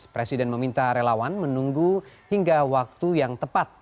presiden meminta relawan menunggu hingga waktu yang tepat